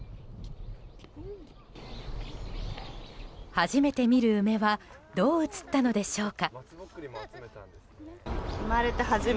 初めて見る梅はどう映ったのでしょうか。